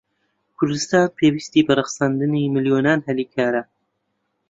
کوردستان پێویستیی بە ڕەخساندنی ملیۆنان هەلی کارە.